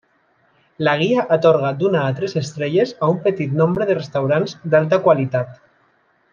La guia atorga d'una a tres estrelles a un petit nombre de restaurants d'alta qualitat.